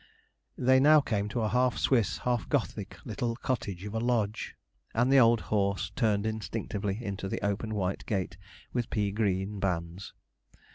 They now came to a half Swiss, half Gothic little cottage of a lodge, and the old horse turned instinctively into the open white gate with pea green bands.